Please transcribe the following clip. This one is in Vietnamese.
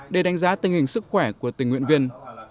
để đánh giá tình hình sức khỏe của tình nguyện viên